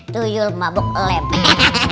tuyul mabuk lebek